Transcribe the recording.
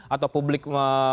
atau publik me